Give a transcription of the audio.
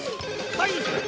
はい！